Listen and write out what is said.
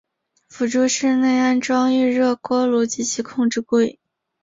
辅助室内安装预热锅炉及其控制柜。